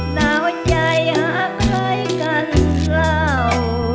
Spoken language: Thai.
หน้าวใยหักเห้ยกันราว